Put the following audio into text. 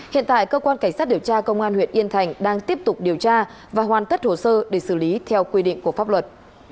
hiện tại cơ quan cảnh sát điều tra công an huyện yên thành đang tiếp tục điều tra và hoàn tất hồ sơ để xử lý theo quy định của pháp luật